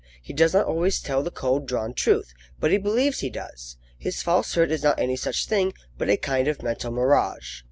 He does not always tell the cold drawn truth, but he believes he does. His falsehood is not any such thing, but a kind of mental mirage.